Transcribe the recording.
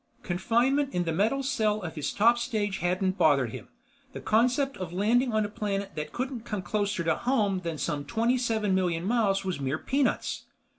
_ Confinement in the metal cell of his top stage hadn't bothered him. The concept of landing on a planet that couldn't come closer to home than some twenty seven million miles was mere peanuts.